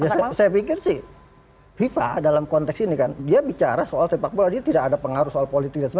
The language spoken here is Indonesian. saya pikir sih viva dalam konteks ini kan dia bicara soal sepak bola dia tidak ada pengaruh soal politik